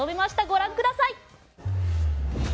ご覧ください。